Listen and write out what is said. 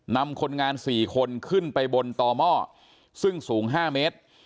นำคนงาน๔คนขึ้นไปบนต่อหม้อซึ่งสูง๕เมตร